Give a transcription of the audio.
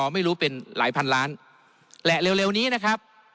ไม่รู้เป็นหลายพันล้านและเร็วนี้นะครับ